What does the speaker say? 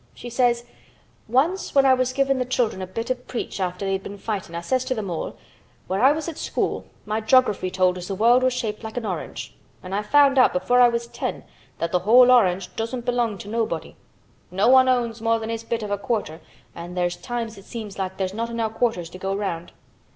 She says, 'Once when I was givin' th' children a bit of a preach after they'd been fightin' I ses to 'em all, "When I was at school my jography told as th' world was shaped like a orange an' I found out before I was ten that th' whole orange doesn't belong to nobody. No one owns more than his bit of a quarter an' there's times it seems like there's not enow quarters to go round.